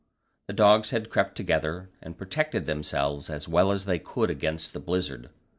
The dogs had all crept together, and protected themselves as well as they could against the blizzard.